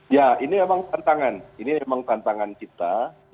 ya ini memang tantangan ini memang tantangan kita